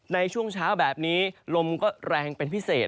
ในช่วงเช้าแบบนี้ลมก็แรงเป็นพิเศษ